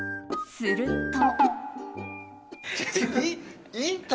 すると。